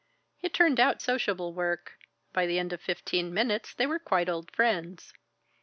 It turned out sociable work; by the end of fifteen minutes they were quite old friends.